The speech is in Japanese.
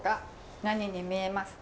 何に見えますか？